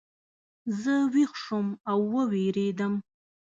زه ویښ شوم او ووېرېدم.